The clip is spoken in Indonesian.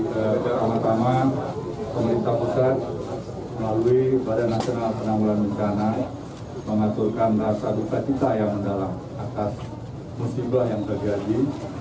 pada jam pertama pemerintah pusat melalui badan nasional penanggulan bintana mengaturkan rasa duka kita yang mendalam atas musibah yang bergaji